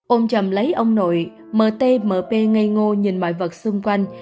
ông chồng lấy ông nội m t m p ngây ngô nhìn mọi vật xung quanh